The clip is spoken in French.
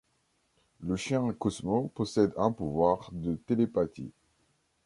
Le chien Cosmo possède un pouvoir de télépathie.